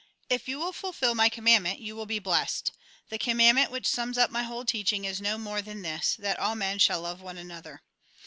If you will fulfil my commandment, you will be blessed. The com mandment which sums up my whole teaching is no more than this, that all men shall love one another.